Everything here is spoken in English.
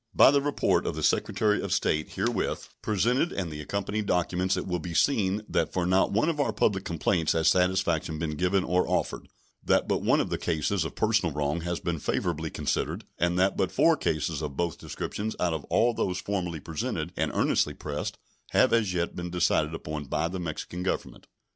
By the report of the Secretary of State herewith presented and the accompanying documents it will be seen that for not one of our public complaints has satisfaction been given or offered, that but one of the cases of personal wrong has been favorably considered, and that but four cases of both descriptions out of all those formally presented and earnestly pressed have as yet been decided upon by the Mexican Government.